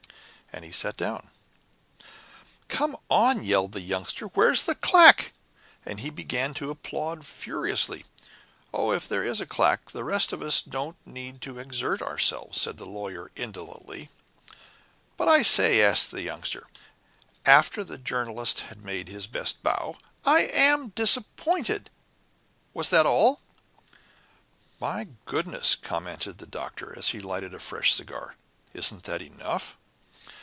And he sat down. "Come on," yelled the Youngster, "where's the claque?" And he began to applaud furiously. "Oh, if there is a claque, the rest of us don't need to exert ourselves," said the Lawyer, indolently. "But I say," asked the Youngster, after the Journalist had made his best bow. "I AM disappointed. Was that all?" "My goodness," commented the Doctor, as he lighted a fresh cigar. "Isn't that enough?"